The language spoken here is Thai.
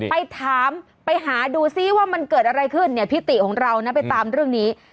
ไปถามไปหาดูซิว่ามันเกิดอะไรขึ้นเนี่ยพี่ติของเรานะไปตามเรื่องนี้